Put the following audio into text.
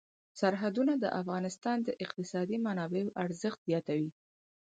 سرحدونه د افغانستان د اقتصادي منابعو ارزښت زیاتوي.